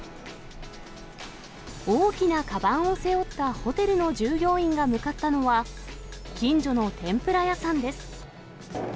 大きなかばんを背負ったホテルの従業員が向かったのは、近所の天ぷら屋さんです。